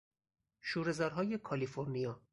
شورهزارهای کالیفرنیا